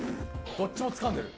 どっちもつかんでる。